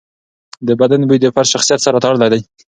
د بدن بوی د فرد شخصیت سره تړلی دی.